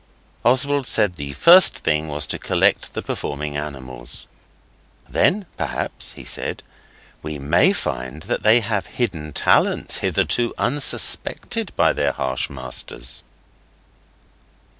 Oswald said the first thing was to collect the performing animals. 'Then perhaps,' he said, 'we may find that they have hidden talents hitherto unsuspected by their harsh masters.